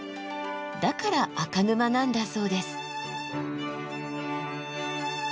だから銅沼なんだそうです。